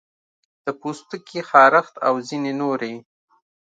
د پوستکي خارښت او ځینې نورې